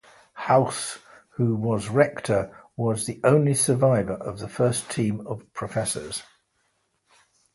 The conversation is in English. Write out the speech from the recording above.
Haus, who was rector, was the only survivor of the first team of professors.